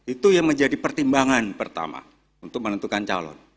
itu yang menjadi pertimbangan pertama untuk menentukan calon